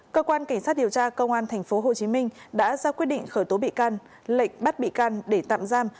cơ quan cảnh sát điều tra công an tp hcm đã ra quyết định khởi tố bị can lệnh bắt bị can để tạm giam